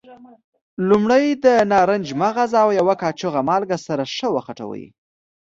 لومړی د نارنج مغز او یوه کاشوغه مالګه سره ښه وخوټوئ.